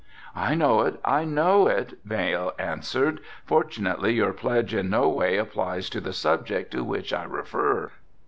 "I know it, I know it," Vail answered, "fortunately your pledge in no way applies to the subject to which I refer."